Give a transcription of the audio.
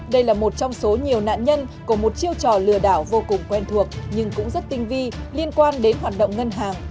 đây là một trong số nhiều nạn nhân của một chiêu trò lừa đảo vô cùng quen thuộc nhưng cũng rất tinh vi liên quan đến hoạt động ngân hàng